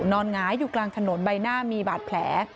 หงายอยู่กลางถนนใบหน้ามีบาดแผล